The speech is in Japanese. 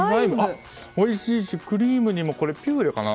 おいしいし、クリームにもピューレかな？